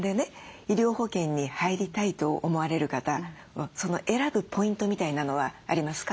医療保険に入りたいと思われる方選ぶポイントみたいなのはありますか？